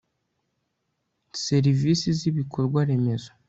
Serivisi z ibikorwaremezo